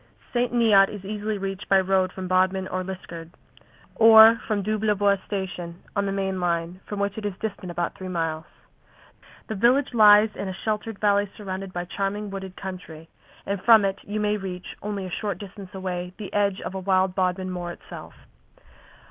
St. Neot is easily reached by road from Bodmin or Liskeard, or from Doublebois station, on the main line, from which it is distant about three miles. The village lies in a sheltered valley surrounded by charming wooded country, and from it you may reach, only a short distance away, the edge of wild Bodmin Moor itself.